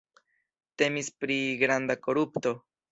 Temis pri granda korupto.